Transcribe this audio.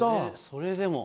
それでも。